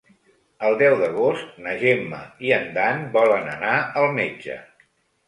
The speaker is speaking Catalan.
El deu d'agost na Gemma i en Dan volen anar al metge.